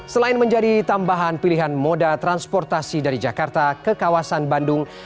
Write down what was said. selain menjadi tambahan pilihan moda transportasi dari jakarta ke kawasan bandung